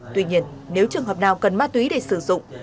tuy nhiên nếu trường hợp nào cần ma túy để sử dụng